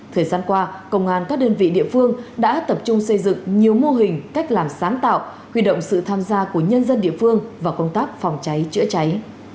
thời gian qua công an các đơn vị địa phương đã tập trung xây dựng nhiều mô hình cách làm sáng tạo huy động sự tham gia của nhân dân địa phương vào công tác phòng cháy chữa cháy